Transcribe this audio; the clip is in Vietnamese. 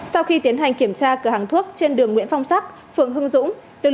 sau khi tiến hành kiểm tra cửa hàng thuốc trên đường nguyễn phong sắc phường hưng dũng